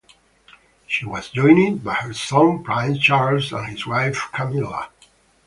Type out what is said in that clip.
She was joined by her son Prince Charles and his wife Camilla.